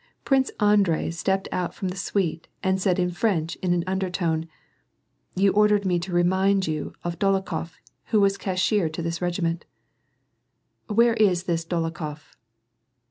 Prince Andrei stepped out from the suite and said in French in an undertone, — "You ordered me to remind you of Dolokhof, who was cashiered to this regiment "— "Where is this Dolokhof